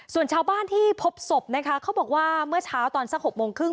ส่วนชาวบ้านที่พบศพนะคะเขาบอกว่าเมื่อเช้าตอนสัก๖โมงครึ่ง